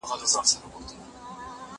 هغه وويل چي زدکړه مهمه ده!!